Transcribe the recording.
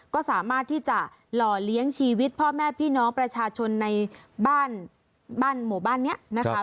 ก็สามารถที่จะหล่อเลี้ยงชีวิตพ่อแม่พี่น้องประชาชนในบ้านบ้านหมู่บ้านนี้นะคะ